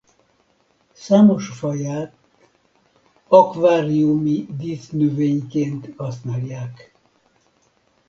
Számos faját akváriumi dísznövényként használják.